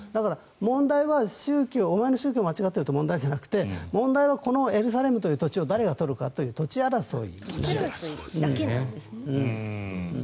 問題はお前の宗教は間違っているという問題じゃなくて問題はこのエルサレムという土地を誰が取るかという土地争いですね。